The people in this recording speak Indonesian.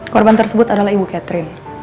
korban tersebut adalah ibu catherine